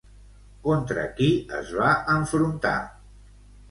Contra qui es va enfrontar?